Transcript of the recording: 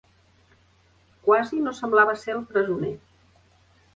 Quasi no semblava ser el presoner.